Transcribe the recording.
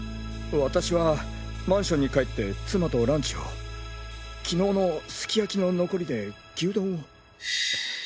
私はマンションに帰って妻とランチを昨日のすき焼きの残りで牛丼を。